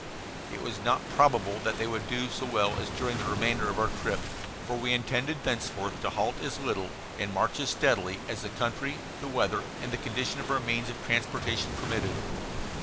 It was not probable that they would do as well during the remainder of our trip, for we intended thenceforth to halt as little, and march as steadily, as the country, the weather, and the condition of our means of transportation permitted.